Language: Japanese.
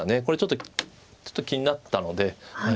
これちょっと気になったので。